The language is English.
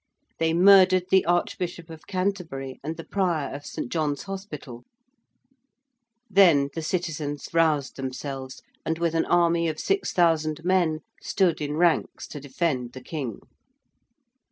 They murdered the Archbishop of Canterbury and the Prior of St. John's Hospital. Then the citizens roused themselves and with an army of 6,000 men stood in ranks to defend the King.